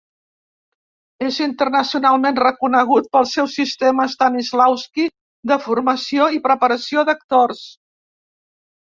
És internacionalment reconegut pel seu sistema Stanislavski de formació i preparació d'actors.